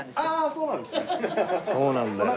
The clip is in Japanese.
そうなんだよ。